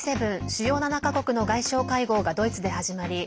Ｇ７＝主要７か国の外相会合がドイツで始まり